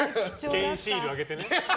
ケインシールあげてね。